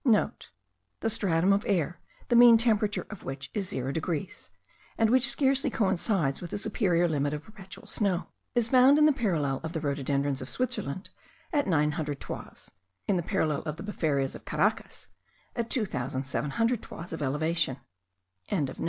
*(* The stratum of air, the mean temperature of which is 0 degrees, and which scarcely coincides with the superior limit of perpetual snow, is found in the parallel of the rhododendrons of Switzerland at nine hundred toises; in the parallel of the befarias of Caracas, at two thousand seven hundred toises of elevation.)